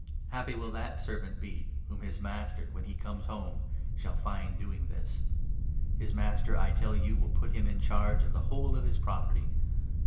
Happy will that servant be whom his 43 master, when he comes home, shall find doing this. His 44 master, I tell you, will put him in charge of the whole of his property.